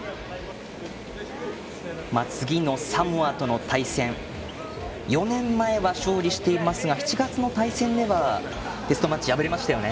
次のサモアとの対戦４年前は勝利していますが７月の対戦ではテストマッチ、敗れましたね。